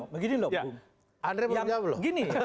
begini dong bung